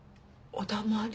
お黙り。